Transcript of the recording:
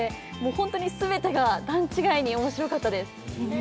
本当に全てが段違いに面白かったです。